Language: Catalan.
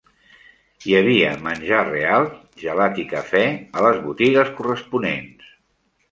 Hi havia menjar real, gelat i cafè a les botigues corresponents.